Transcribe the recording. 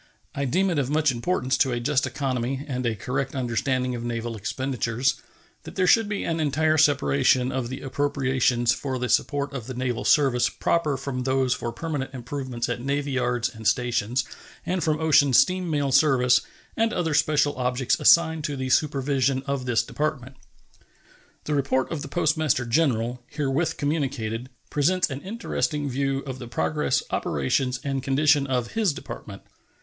I deem it of much importance to a just economy and a correct understanding of naval expenditures that there should be an entire separation of the appropriations for the support of the naval service proper from those for permanent improvements at navy yards and stations and from ocean steam mail service and other special objects assigned to the supervision of this Department. The report of the Postmaster General, herewith communicated, presents an interesting view of the progress, operations, and condition of his Department.